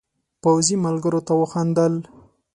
پوځي ملګرو ته وخندل.